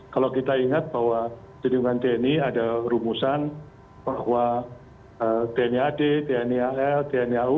kalau kita ingat bahwa jaringan tni ada rumusan bahwa tni ad tni al tni au